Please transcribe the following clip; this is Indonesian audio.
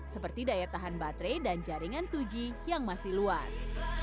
seperti daya tahan baterai dan jaringan dua g yang masih luas